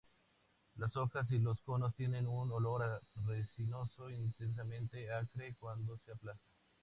Las hojas y los conos tienen un olor resinoso intensamente acre cuando se aplasta.